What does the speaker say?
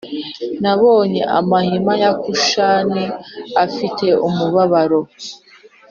Nabonye amahema ya Kushani afite umubabaro